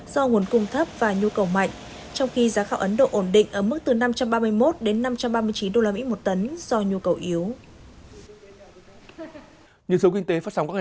do nguồn cung thấp và nhu cầu mạnh trong khi giá gạo ấn độ ổn định